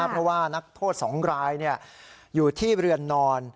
เพราะว่านักโทษ๒รายอยู่ที่เรือนนอน